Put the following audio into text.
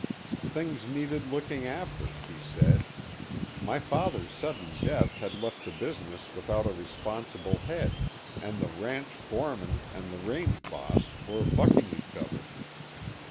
Things needed looking after, he said; my father's sudden death had left the business without a responsible head, and the ranch foreman and the range boss were bucking each other.